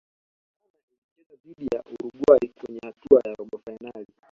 ghana ilicheza dhidi ya uruguay kwenye hatua ya robo fainali